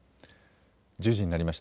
１０時になりました。